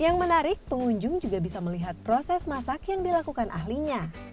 yang menarik pengunjung juga bisa melihat proses masak yang dilakukan ahlinya